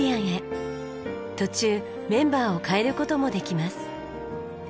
途中メンバーを替える事もできます。